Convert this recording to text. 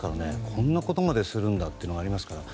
こんなことまでするんだってのがありますから。